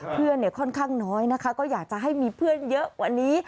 ค่อนข้างน้อยนะคะก็อยากจะให้มีเพื่อนเยอะกว่านี้